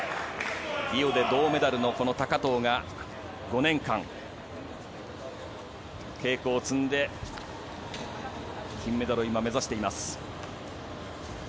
リオで銅メダルの高藤が５年間、稽古を積んで金メダルを今、目指しています。